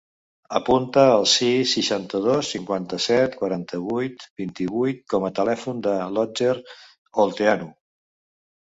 Apunta el sis, seixanta-dos, cinquanta-set, quaranta-vuit, vint-i-vuit com a telèfon de l'Otger Olteanu.